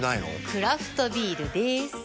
クラフトビールでーす。